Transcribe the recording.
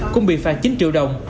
cũng bị phạt chín triệu đồng